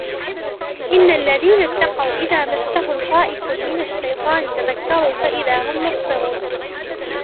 إِنَّ الَّذِينَ اتَّقَوْا إِذَا مَسَّهُمْ طَائِفٌ مِنَ الشَّيْطَانِ تَذَكَّرُوا فَإِذَا هُمْ مُبْصِرُونَ